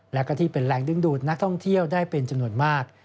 แล้วก็ที่เป็นแรงดึงดูดนักท่องเที่ยวได้เป็นจำนวนมาก